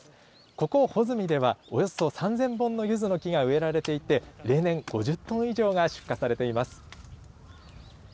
ここ穂積では、およそ３０００本のゆずの木が植えられていて、例年、５０トン以上が出荷されています。